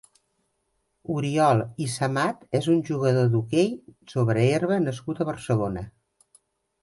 Oriol Ysamat és un jugador d'hoquei sobre herba nascut a Barcelona.